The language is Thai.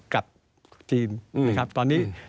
กับจีนนะครับตอนนี้